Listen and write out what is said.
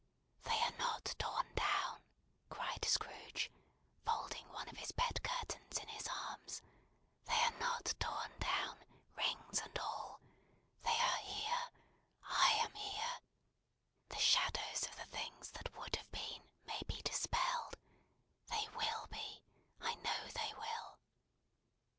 "They are not torn down," cried Scrooge, folding one of his bed curtains in his arms, "they are not torn down, rings and all. They are here I am here the shadows of the things that would have been, may be dispelled. They will be. I know they will!"